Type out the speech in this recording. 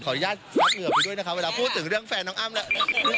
อนุญาตเหงื่อไปด้วยนะคะเวลาพูดถึงเรื่องแฟนน้องอ้ำแล้ว